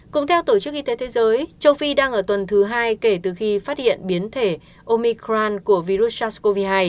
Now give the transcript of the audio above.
cũng theo tổ chức y tế thế giới châu phi đang ở tuần thứ hai kể từ khi phát hiện biến thể omicran của virus sars cov hai